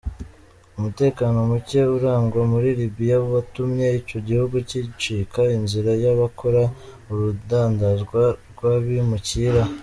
Umutekano muke urangwa muri Libya watumye ico gihugu gicika inzira yabakora urudandazwa rw’abimukira.